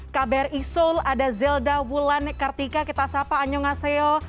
kbr e soul ada zelda wulanekartika kita sapa annyeonghaseyo